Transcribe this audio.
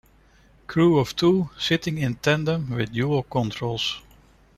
Crew of two, sitting in tandem, with dual controls.